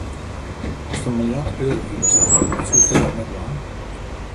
Ast in miljard euro hiest, wat soest der dan mei dwaan?